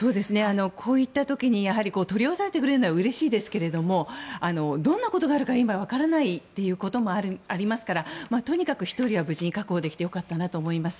こういった時に取り押さえてくれるのはうれしいですけれどどんなことがあるか今、わからないということもありますからとにかく１人は無事に確保できてよかったなと思います。